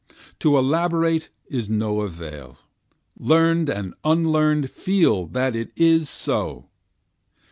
To elaborate is no avail, learn'd and unlearn'd feel that it is so.